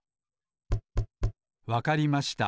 わかりました。